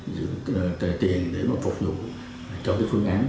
giữ tiền để mà phục vụ cho cái phương án